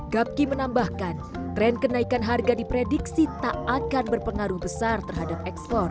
gapke menambahkan tren kenaikan harga di prediksi tak akan berpengaruh besar terhadap ekspor